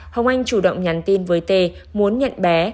hồng anh chủ động nhắn tin với tê muốn nhận bé